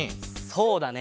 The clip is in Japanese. そうだね。